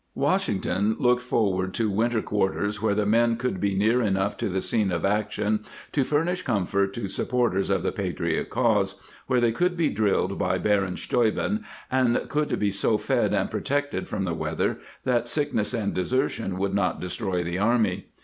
Washington looked forward to winter quarters where the men could be near enough to the scene of action to furnish comfort to supporters of the patriot cause, where they could be drilled by Baron Steuben, and could be so fed and protected from the weather that sickness and desertion would not destroy the army.